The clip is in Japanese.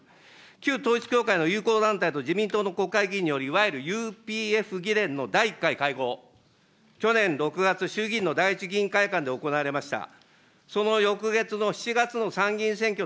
旧統一教会の友好団体と自民党の国会議員により、いわゆるＵＰＦの第１回会合、去年６月、衆議院の第１議員会館で行われました。